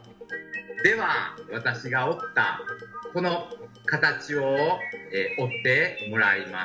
では私が折ったこの形を折ってもらいます。